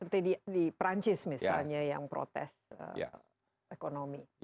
seperti di perancis misalnya yang protes ekonomi